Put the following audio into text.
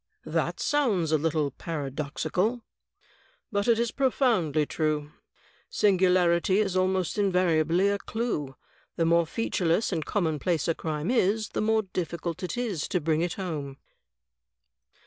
"That sounds a little paradoxical." "But it is profoundly true. Singularity is almost invariably a clew. The more featureless and commonplace a crime is, the more difficult is it to bring it home."